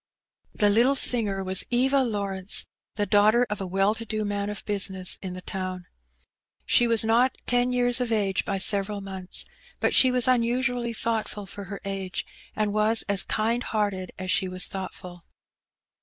The Utile singer was Eva Lawrence^ the daughter of a well to do man of business in the town. She was not ten years of age by several months, but she was unusually thoughtful for her age, and was as kind hearted as she was thoughtful.